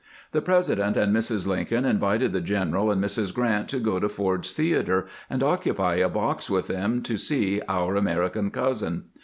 The President and Mrs. Lincoln invited the general and Mrs. Gi ant to go to Ford's Theater and occupy a box with them to see "Our American Cousin."